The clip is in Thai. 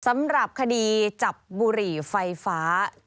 สำหรับคดีจับบุหรี่ไฟฟ้า